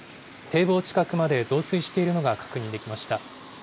堤防近くまで増水しているのが確認できました。